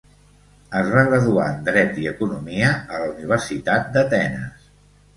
Es va graduar en dret i economia a la Universitat d'Atenes.